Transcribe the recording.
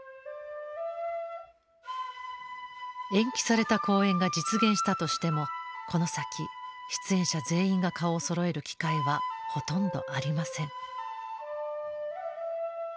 延期された公演が実現したとしてもこの先出演者全員が顔をそろえる機会はほとんどありません。